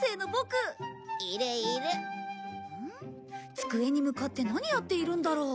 机に向かって何やっているんだろう？